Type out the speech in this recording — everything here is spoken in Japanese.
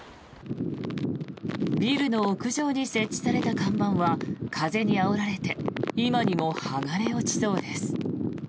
ビルの屋上に設置された看板は風にあおられて今にも剥がれ落ちそうです。